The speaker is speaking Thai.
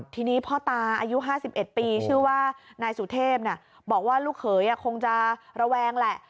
ทีนี้พ่อตาอายุ๕๑ปีชื่อว่านายสุเทพบอกว่าลูกเขยคงจะระแวงแหละ